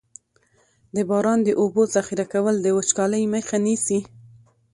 د باران د اوبو ذخیره کول د وچکالۍ مخه نیسي.